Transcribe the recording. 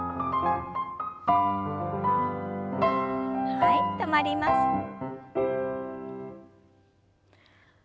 はい止まります。